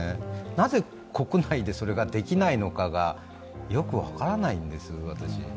なぜ国内でそれができないのかがよく分からないんです。